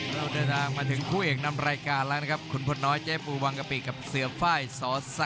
และนักภารกิจของเขา